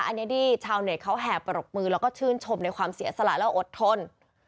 อันนี้ที่ชาวเน็ตเขาแห่ปรบมือแล้วก็ชื่นชมในความเสียสละและอดทน